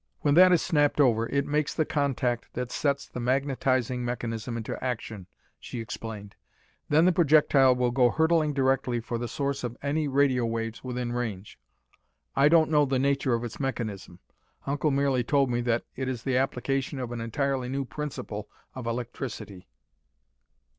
"When that is snapped over, it makes the contact that sets the magnetizing mechanism into action," she explained. "Then the projectile will go hurtling directly for the source of any radio waves within range. I don't know the nature of its mechanism. Uncle merely told me that it is the application of an entirely new principle of electricity."